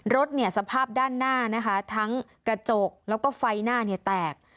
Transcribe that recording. รถเนี่ยสภาพด้านหน้านะคะทั้งกระจกแล้วก็ไฟหน้าเนี่ยแตก